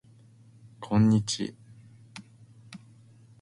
こんにち